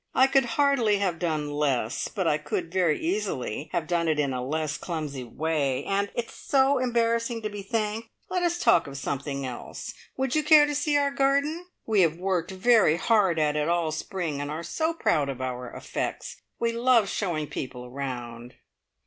"I could hardly have done less, but I could very easily have done it in a less clumsy way; and it's so embarrassing to be thanked! Let us talk of something else. Would you care to see our garden? We have worked very hard at it all spring, and are so proud of our effects. We love showing people round!"